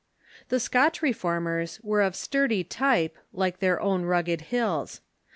] The Scotch Reformers were of sturdy type, like their own rugged hills.